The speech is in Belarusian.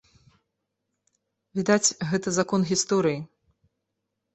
Відаць, гэта закон гісторыі.